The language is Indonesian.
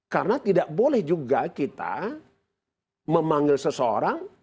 karena tidak boleh juga kita memanggil seseorang